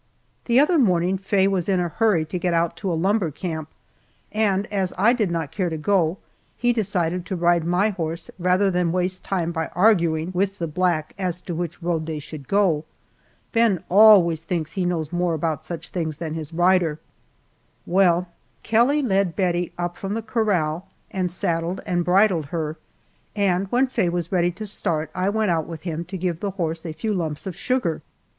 The other morning Faye was in a hurry to get out to a lumber camp and, as I did not care to go, he decided to ride my horse rather than waste time by arguing with the black as to which road they should go. Ben always thinks he knows more about such things than his rider. Well, Kelly led Bettie up from the corral and saddled and bridled her, and when Faye was ready to start I went out with him to give the horse a few lumps of sugar.